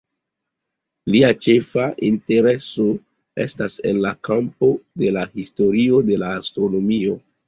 Lia ĉefa intereso estas en la kampo de la historio de la astronomio.